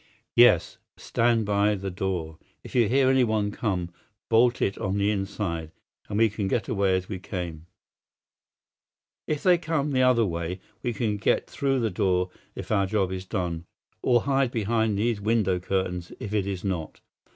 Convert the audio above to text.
"Yes; stand by the door. If you hear anyone come, bolt it on the inside, and we can get away as we came. If they come the other way, we can get through the door if our job is done, or hide behind these window curtains if it is not.